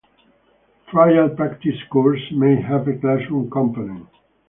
Trial practice courses may have a classroom component.